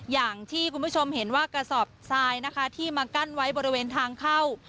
อย่างที่คุณผู้ชมเห็นว่ากระสอบทรายนะคะที่มากั้นไว้บริเวณทางเข้า